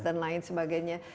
dan lain sebagainya